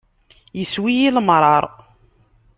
Issew-iyi lemṛaṛ.